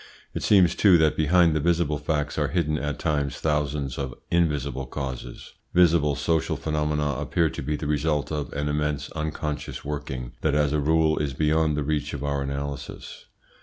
It seems, too, that behind the visible facts are hidden at times thousands of invisible causes. Visible social phenomena appear to be the result of an immense, unconscious working, that as a rule is beyond the reach of our analysis.